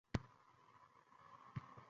Yashamoqdan e’tiqodsiz